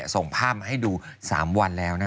ส่งภาพมาให้ดู๓วันแล้ว